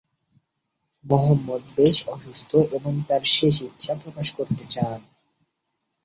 মুহম্মদ বেশ অসুস্থ এবং তার শেষ ইচ্ছা প্রকাশ করতে চান।